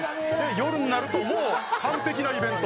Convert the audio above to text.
「夜になるともう完璧なイベント」